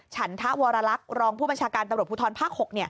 ฉันทะวรลักษณ์รองผู้บัญชาการตำรวจภูทรภาค๖